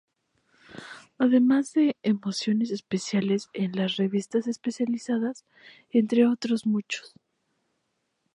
Además de menciones especiales en las revistas especializadas, entre otros muchos.